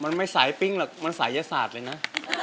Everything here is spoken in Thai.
มันไม่สายปิ้งหรอกมันสายศาสตร์เลยนะ